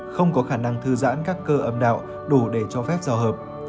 không có khả năng thư giãn các cơ âm đạo đủ để cho phép giao hợp